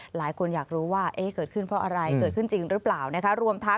หลายคนอยากรู้ว่าเกิดขึ้นเพราะอะไรเกิดขึ้นจริงหรือเปล่านะคะ